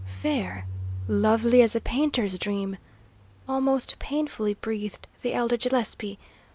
"Fair lovely as a painter's dream!" almost painfully breathed the elder Gillespie.